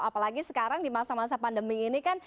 apalagi sekarang di masa masa pandemi ini kan